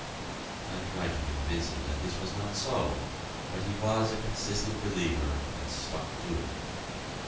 I tried to convince him that this was not so; but he was a consistent believer and stuck to it.